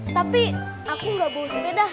tapi aku udah bawa sepeda